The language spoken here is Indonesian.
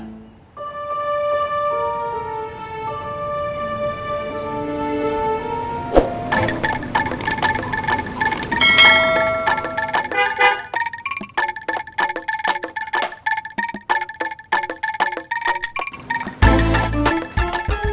ya sudah sana